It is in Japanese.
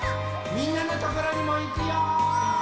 みんなのところにもいくよ。